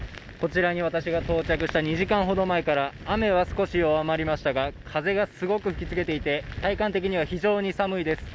私が到着した２時間ほど前から雨は少し弱まりましたが、風がすごく吹きつけていて体感的には非常に寒いです。